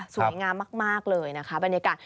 สวยงามมากเลยนะคะบรรยากาศ